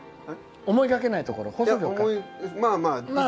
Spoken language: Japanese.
思いがけないところ？